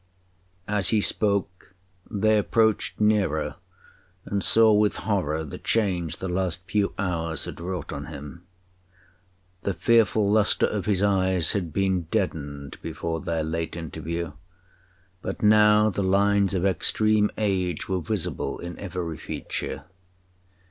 As he spoke they approached nearer, and saw with horror the change the last few hours had wrought on him. The fearful lustre of his eyes had been deadened before their late interview, but now the lines of extreme age were visible in every feature.